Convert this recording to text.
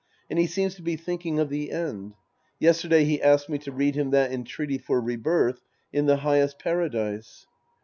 And he seems to be tliinking of the end. Yesterday he asked me to read him that entreaty for rebirth in the highest Paradise.